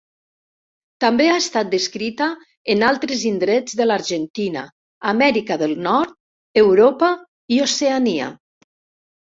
També ha estat descrita en altres indrets de l'Argentina, Amèrica del Nord, Europa i Oceania.